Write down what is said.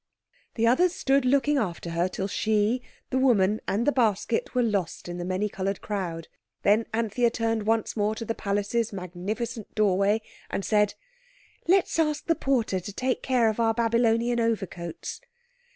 The others stood looking after her till she, the woman, and the basket were lost in the many coloured crowd. Then Anthea turned once more to the palace's magnificent doorway and said— "Let's ask the porter to take care of our Babylonian overcoats."